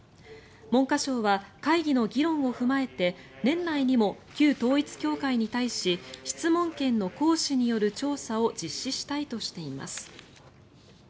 文科省は会議の議論を踏まえて年内にも旧統一教会に対し質問権の行使による調査を実施したいとしています。